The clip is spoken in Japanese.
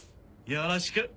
よろしく。